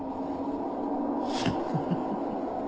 フフフフ。